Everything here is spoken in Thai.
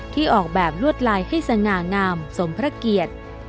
ออกแบบลวดลายให้สง่างามสมพระเกียรติ